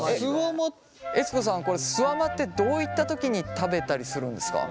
悦子さんこれすわまってどういった時に食べたりするんですか？